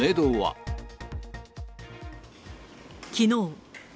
きのう。